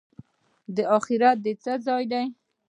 اخرت د څه ځای دی؟